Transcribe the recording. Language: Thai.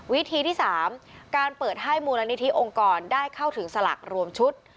วิธีที่๓การเปิดให้มูลนิธิองค์กรได้เข้าถึงสลักรวมชุด